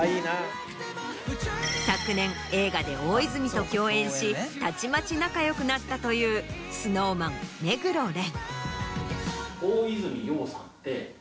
昨年映画で大泉と共演したちまち仲よくなったというＳｎｏｗＭａｎ・目黒蓮。